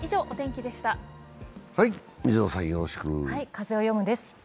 「風をよむ」です。